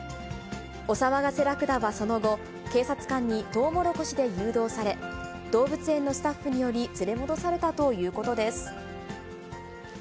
お騒がせラクダはその後、警察官にトウモロコシで誘導され、動物園のスタッフにより連れ戻されたということです。